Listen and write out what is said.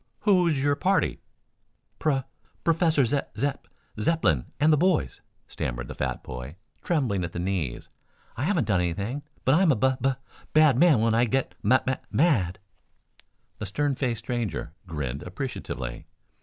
"Who is your party?" "Pro professor Ze Zep Zepplin and the boys," stammered the fat boy, trembling at the knees. "I haven't done anything, but I'm a bu bu bad man when I get ma mad." The stern faced stranger grinned appreciatively.